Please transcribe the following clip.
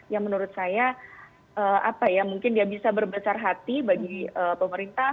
yang menurut saya mungkin dia bisa berbesar hati bagi pemerintah